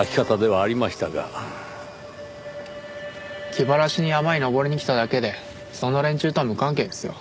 気晴らしに山に登りに来ただけでそんな連中とは無関係ですよ。